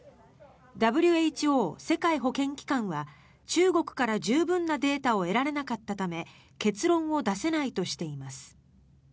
ＷＨＯ・世界保健機関は中国から十分なデータを得られなかったため結論を出せないとしています。